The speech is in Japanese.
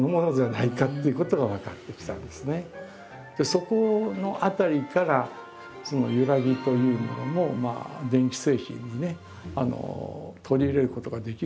そこの辺りからその「ゆらぎ」というものも電気製品にね取り入れることができるだろうと。